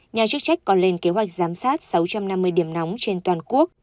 nhà chức trách còn lên kế hoạch giám sát sáu trăm năm mươi điểm nóng trên toàn quốc